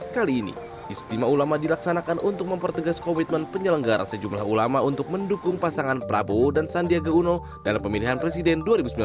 kali ini istimewa ulama dilaksanakan untuk mempertegas komitmen penyelenggara sejumlah ulama untuk mendukung pasangan prabowo dan sandiaga uno dalam pemilihan presiden dua ribu sembilan belas